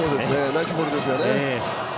ナイスボールですね。